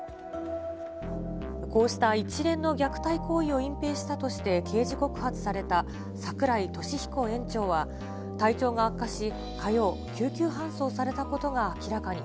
こうした一連の虐待行為を隠ぺいしたとして刑事告発された櫻井利彦園長は、体調が悪化し、火曜、救急搬送されたことが明らかに。